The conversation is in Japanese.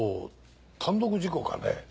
単独事故かね。